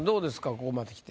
ここまで来て。